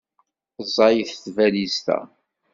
Ẓẓayet tbalizt-a.